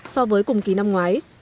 so với cùng kỳ năm ngoái